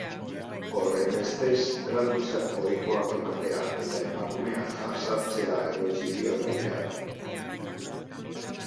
Horrenbestez, tratu txar ohikoak ematea eta emakumea jazartzea egotzi dio epaileak.